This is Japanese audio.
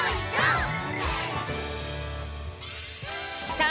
さあ